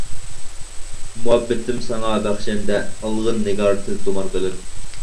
مۇھەببىتىم ساڭا بەخشەندە، ئالغىن نىگار تىلتۇمار قىلىپ.